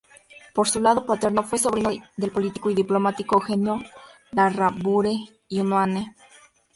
Por su lado paterno, fue sobrino del político y diplomático Eugenio Larrabure y Unanue.